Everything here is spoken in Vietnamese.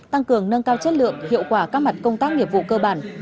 tăng cường nâng cao chất lượng hiệu quả các mặt công tác nghiệp vụ cơ bản